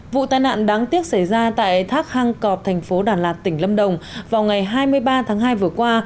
vụ tai nạn đáng tiếc xảy ra tại thác hang cọp thành phố đà lạt tỉnh lâm đồng vào ngày hai mươi ba tháng hai vừa qua